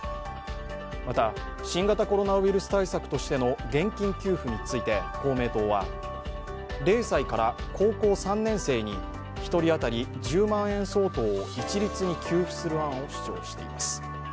また、新型コロナウイルス対策としての現金給付について公明党は０歳から高校３年生に１人当たり１０万円相当を一律に給付する案を主張しています。